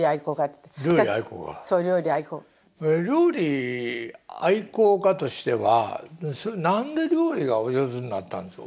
料理愛好家としては何で料理がお上手になったんですか？